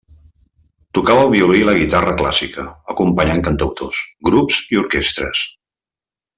Tocava el violí i la guitarra clàssica, acompanyant cantautors, grups i orquestres.